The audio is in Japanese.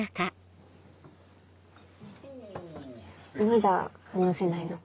まだ話せないの？